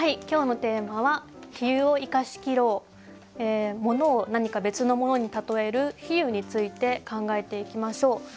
今日のテーマは「比喩を生かし切ろう」。ものを何か別のものに例える比喩について考えていきましょう。